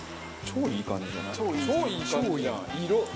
超いい感じじゃん色。